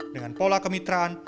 dengan pola kemitraan